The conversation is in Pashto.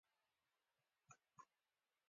ایا زه باید په موټر کې سفر وکړم؟